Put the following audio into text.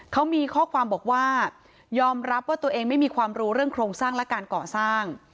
เขามีข้อความบอกว่ายอมรับว่าตัวเองไม่มีความรู้เรื่องโครงสร้างและการก่อสร้าง